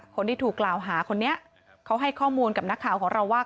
คนที่ถูกกล่าวหาคนนี้เขาให้ข้อมูลกับนักข่าวของเราว่า